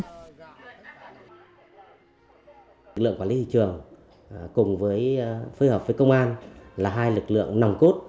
lực lượng quản lý thị trường cùng với phối hợp với công an là hai lực lượng nòng cốt